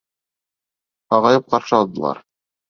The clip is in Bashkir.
Һағайып ҡаршы алдылар.